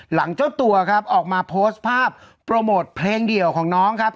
เจ้าตัวครับออกมาโพสต์ภาพโปรโมทเพลงเดี่ยวของน้องครับ